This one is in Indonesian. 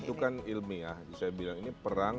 deepen ilmiah saya bilang perang